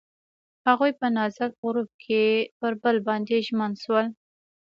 هغوی په نازک غروب کې پر بل باندې ژمن شول.